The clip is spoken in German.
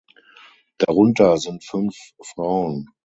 Darunter sind fünf Frauen.